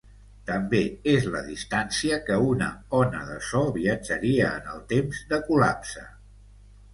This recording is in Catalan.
També és la distància que una ona de so viatjaria en el temps de col·lapse.